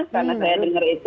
karena saya denger itu